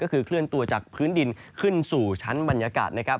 ก็คือเคลื่อนตัวจากพื้นดินขึ้นสู่ชั้นบรรยากาศนะครับ